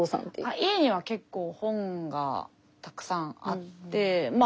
家には結構本がたくさんあってまぁ